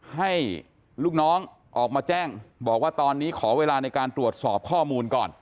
ให้ลูกน้องออกมาแจ้งบอกว่าตอนนี้ขอเวลาในการตรวจสอบข้อมูลก่อน